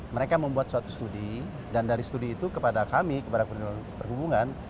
mereka membuat suatu studi dan dari studi itu kepada kami kepada kementerian perhubungan